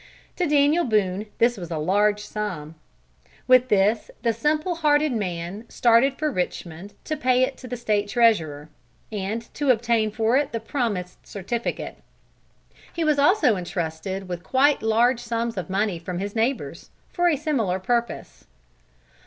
To Daniel Boone this was a large sum. With this the simple hearted man started for Richmond to pay it to the State Treasurer, and to obtain for it the promised certificate. He was also entrusted with quite large sums of money from his neighbors, for a similar purpose.